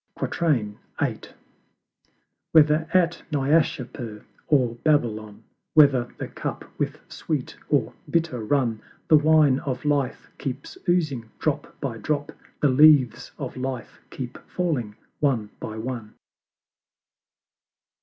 VIII. Whether at Naishapur or Babylon, Whether the Cup with sweet or bitter run, The Wine of Life keeps oozing drop by drop, The Leaves of Life keep falling one by one.